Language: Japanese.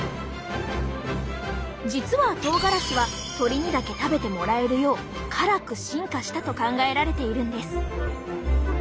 実はとうがらしは鳥にだけ食べてもらえるよう辛く進化したと考えられているんです。